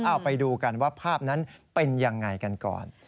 เอาไปดูกันว่าภาพนั้นเป็นยังไงกันก่อน